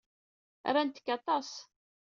Rant-k aṭas.